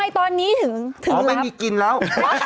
เปิดแล้ว